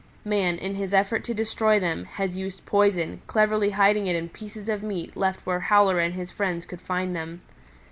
Man in his effort to destroy them has used poison, cleverly hiding it in pieces of meat left where Howler and his friends could find them.